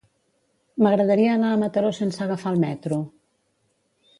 M'agradaria anar a Mataró sense agafar el metro.